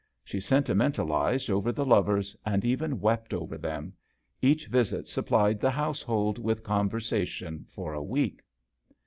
She senti mentalized over the lovers, and even wept over them ; each visit supplied the household with con versation for a week.